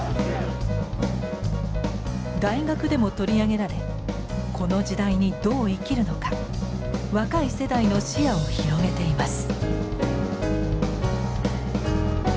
大学でも取り上げられこの時代にどう生きるのか若い世代の視野を広げています。